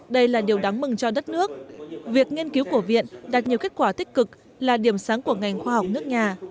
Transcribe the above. đây là điều đáng mừng cho đất nước việc nghiên cứu của viện đạt nhiều kết quả tích cực là điểm sáng của ngành khoa học nước nhà